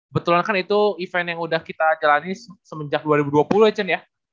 betulan kan itu event yang udah kita jalani semenjak dua ribu dua puluh ya chen ya